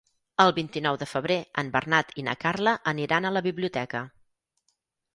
El vint-i-nou de febrer en Bernat i na Carla aniran a la biblioteca.